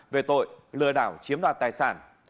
về tội lừa đảo chiếm đoạt tài sản